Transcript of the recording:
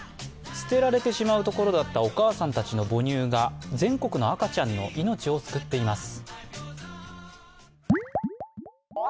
捨てられてしまうところだったお母さんたちの母乳が全国の赤ちゃんの命を救っています。